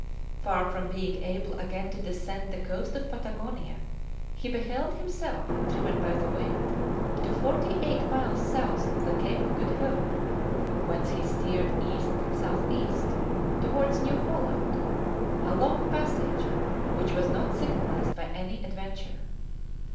Far from being able again to descend the coast of Patagonia, he beheld himself driven by the wind to forty eight miles south of the Cape of Good Hope, whence he steered east south east towards New Holland, a long passage which was not signalized by any adventure.